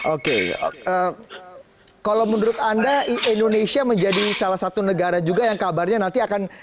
oke kalau menurut anda indonesia menjadi salah satu negara juga yang kabarnya nanti akan